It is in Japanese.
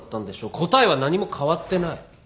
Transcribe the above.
答えは何も変わってない。